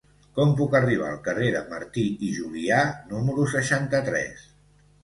Com puc arribar al carrer de Martí i Julià número seixanta-tres?